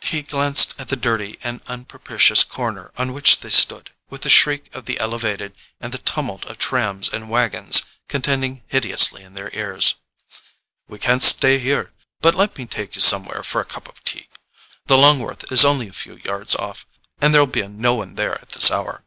He glanced at the dirty and unpropitious corner on which they stood, with the shriek of the "elevated" and the tumult of trams and waggons contending hideously in their ears. "We can't stay here; but let me take you somewhere for a cup of tea. The LONGWORTH is only a few yards off, and there'll be no one there at this hour."